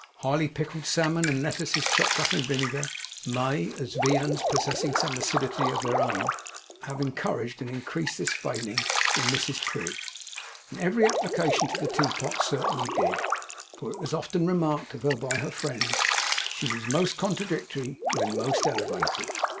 Highly pickled salmon, and lettuces chopped up in vinegar, may, as viands possessing some acidity of their own, have encouraged and increased this failing in Mrs Prig; and every application to the teapot certainly did; for it was often remarked of her by her friends, that she was most contradictory when most elevated.